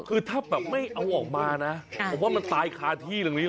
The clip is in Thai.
คือถ้าแบบไม่เอาออกมานะผมว่ามันตายคาที่ตรงนี้